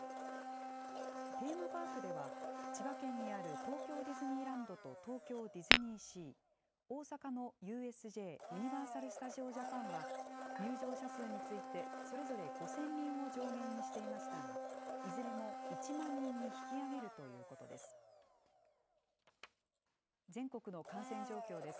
テーマパークでは、千葉県にある東京ディズニーランドと東京ディズニーシー、大阪のＵＳＪ・ユニバーサル・スタジオ・ジャパンは、入場者数について、それぞれ５０００人を上限にしていましたが、いずれも１万人に引き上げるということです。